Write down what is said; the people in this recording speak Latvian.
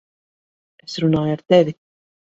Es runāju ar tevi!